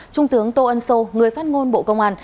trung tướng tô ân sô người phát ngôn bộ công an